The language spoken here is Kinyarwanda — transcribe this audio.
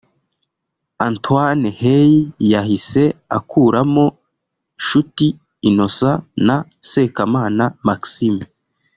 Antoine Hey yahise akuramo Nshuti Innocent na Sekamana Maxime